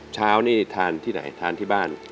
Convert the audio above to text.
เช้านี่ทานที่ไหนทานที่บ้าน